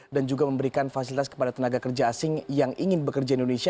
dan juga memberikan fasilitas kepada tenaga kerja asing yang ingin bekerja di indonesia